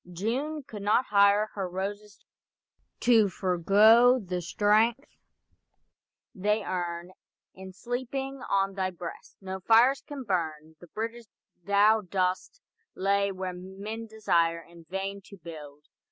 June could not hire Her roses to forego the strength they learn In sleeping on thy breast. No fires can burn The bridges thou dost lay where men desire In vain to build.